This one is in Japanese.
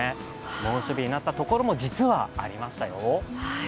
猛暑日になったところも実はありましたよ。